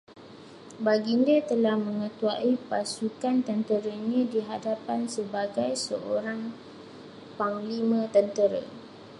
Baginda telah mengetuai pasukan tenteranya di hadapan, sebagai seorang panglima tentera